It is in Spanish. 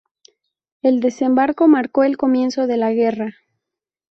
El desembarco marcó el comienzo de la guerra.